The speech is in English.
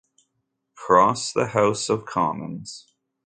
Cross the House of Commons.